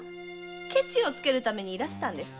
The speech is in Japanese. ケチをつけるためにいらしたんですか？